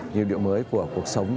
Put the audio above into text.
nhịp điệu mới của cuộc sống